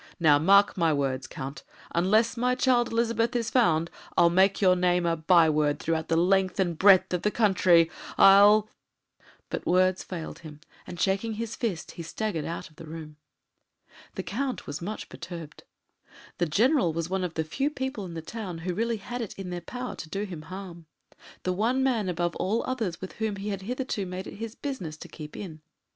Now, mark my words, Count, unless my child Elizabeth is found, I'll make your name a byword throughout the length and breadth of the country I'll "; but words failed him, and, shaking his fist, he staggered out of the room. The Count was much perturbed. The General was one of the few people in the town who really had it in their power to do him harm the one man above all others with whom he had hitherto made it his business to keep in.